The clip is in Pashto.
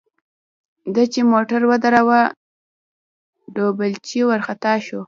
ده چې موټر ودراوه ډولچي ورخطا شو.